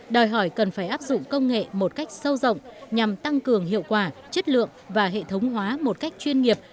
đòi hỏi cần phải áp dụng công nghệ một cách sâu rộng nhằm tăng cường hiệu quả chất lượng và hệ thống hóa một cách chuyên nghiệp